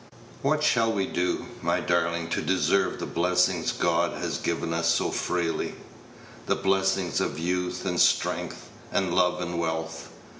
What shall we do, my darling, to deserve the blessings God has given us so freely the blessings of youth and strength, and love and wealth?